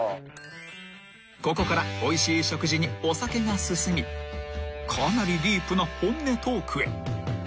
［ここからおいしい食事にお酒が進みかなりディープな本音トークへ］